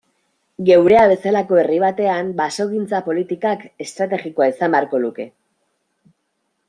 Geurea bezalako herri batean basogintza politikak estrategikoa izan beharko luke.